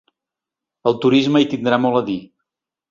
El turisme hi tindrà molt a dir.